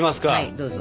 どうぞ。